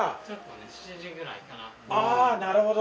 ちょっとね７時くらいから。